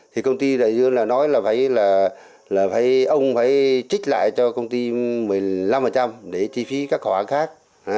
thì công ty đại dương nói là ông phải chích lại cho công ty một mươi năm để chi phí các khoản khác